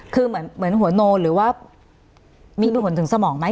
คือเหมือนหัวโนหรือว่ามีผลถึงสมองไหม